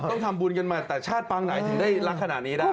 ต้องทำบุญกันมาแต่ชาติปางไหนถึงได้รักขนาดนี้ได้